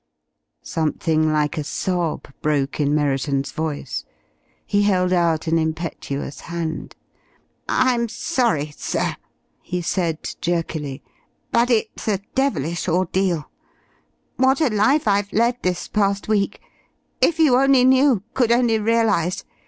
Something like a sob broke in Merriton's voice. He held out an impetuous hand. "I'm sorry, sir," he said jerkily, "but it's a devilish ordeal. What a life I've led this past week! If you only knew could only realize!